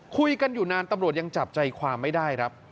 คุยกันอยู่นานตำรวจยังจับใจความไม่ได้ครับ